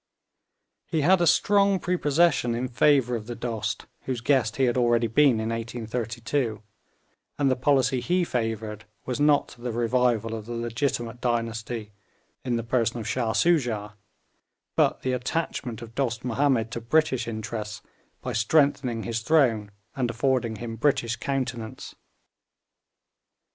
He had a strong prepossession in favour of the Dost, whose guest he had already been in 1832, and the policy he favoured was not the revival of the legitimate dynasty in the person of Shah Soojah, but the attachment of Dost Mahomed to British interests by strengthening his throne and affording him British countenance.